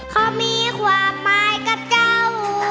เขามีความหมายกับเจ้า